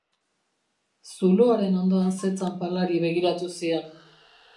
Zuloaren ondoan zetzan palari begiratu zion.